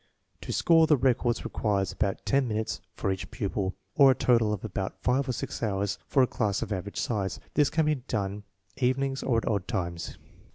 To score the records requires about ten minutes for each pupil, or a total of about five or six hours for a class of average size. This can be done evenings or at odd times.